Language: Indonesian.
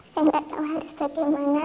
saya nggak tahu harus bagaimana